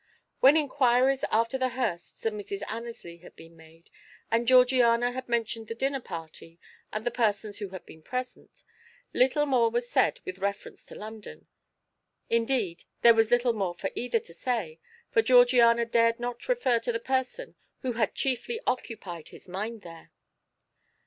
When inquiries after the Hursts and Mrs. Annesley had been made, and Georgiana had mentioned the dinner party and the persons who had been present, little more was said with reference to London; indeed, there was little more for either to say, for Georgiana dared not refer to the person who had chiefly occupied his mind there.